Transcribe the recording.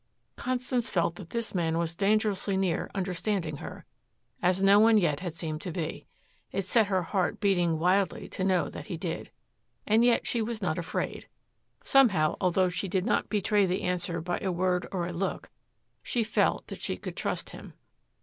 Constance felt that this man was dangerously near understanding her, as no one yet had seemed to be. It set her heart beating wildly to know that he did. And yet she was not afraid. Somehow, although she did not betray the answer by a word or a look, she felt that she could trust him.